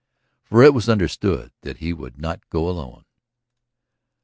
For it was understood that he would not go alone.